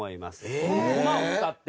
この駒を使って。